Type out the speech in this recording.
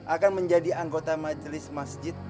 akan menjadi anggota majelis masjid